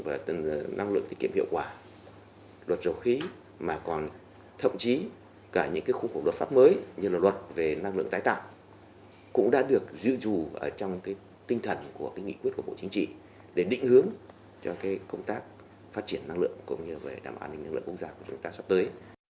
luật sử dụng và năng lượng tiết kiệm hiệu quả luật dầu khí mà còn thậm chí cả những cái khung khổ luật pháp mới như là luật về năng lượng tái tạo cũng đã được dự dù trong cái tinh thần của cái nghị quyết của bộ chính trị để định hướng cho cái công tác phát triển năng lượng cũng như về đảm bảo an ninh năng lượng quốc gia của chúng ta sắp tới